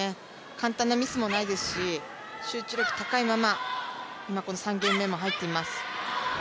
簡単なミスもないですし集中力高いまま３ゲーム目も入っています。